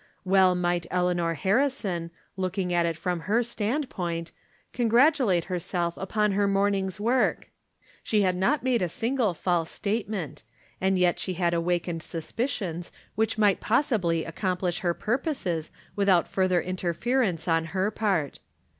Well might Eleanor Harrison, looking at it from her standpoint, congratulate herself upon her morning's work. She had not made a single false statement, and yet she had awakened sus picions wliich might possibly accomplish her pur 800 From Different Standpoints. poses without further interference on her part.